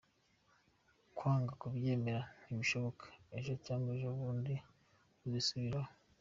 Kwanga kubyemera: ‘Ntibishoboka! Ejo cyangwa ejo bundi azisubiraho.